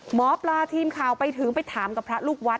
หมอปลาทีมข่าวไปถึงไปถามกับพระลูกวัด